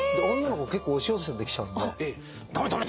女の子結構押し寄せてきちゃうんで駄目！